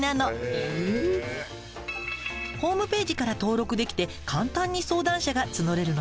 ホームページから登録できて簡単に相談者が募れるのよ。